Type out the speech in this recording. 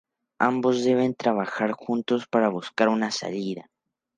Ambos deben trabajar juntos para buscar una salida.